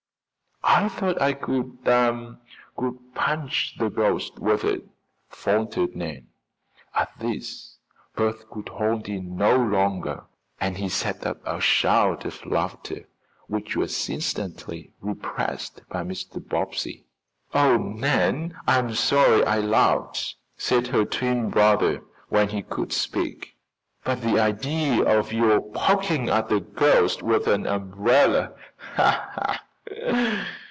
"I thought I could could punch the ghost with it," faltered Nan. At this Bert could hold in no longer, and he set up a shout of laughter, which was instantly repressed by Mr. Bobbsey. "Oh, Nan, I'm sorry I laughed," said her twin brother, when he could speak. "But the idea of your poking at a ghost with an umbrella!"